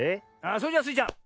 それじゃあスイちゃん